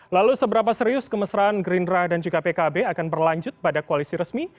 lalu seberapa serius kemesraan gerindra dan juga pkb akan berlanjut pada koalisi resmi